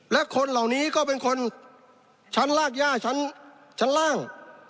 และคนเหล่านี้ก็เป็นคนชั้นลากย่าชั้นล่าง